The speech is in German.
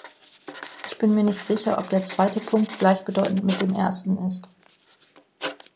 Ich bin mir nicht sicher, ob der zweite Punkt gleichbedeutend mit dem ersten ist.